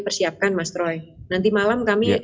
persiapkan mas troy nanti malam kami